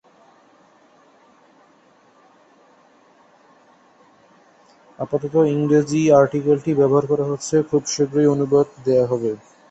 আপাতত ইংরেজি আর্টিকেল টি ব্যবহার করা হচ্ছে, খুব শীঘ্রই অনুবাদ দেওয়া হবে।